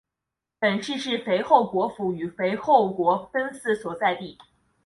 本市是肥后国府与肥后国分寺所在地。